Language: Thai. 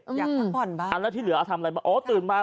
อยากพักผ่อนบ้างอ่าแล้วที่เหลือเอาทำอะไรบ้างโอ้ตื่นมา